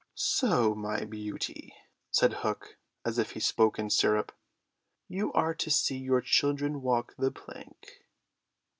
"So, my beauty," said Hook, as if he spoke in syrup, "you are to see your children walk the plank."